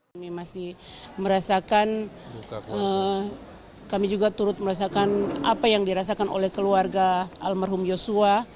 kami masih merasakan kami juga turut merasakan apa yang dirasakan oleh keluarga almarhum yosua